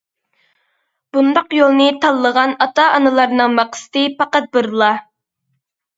بۇنداق يولنى تاللىغان ئاتا-ئانىلارنىڭ مەقسىتى پەقەت بىرلا.